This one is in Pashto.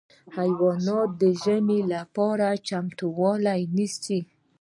حیوانات د ژمي لپاره چمتووالی نیسي.